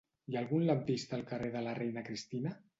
Hi ha algun lampista al carrer de la Reina Cristina?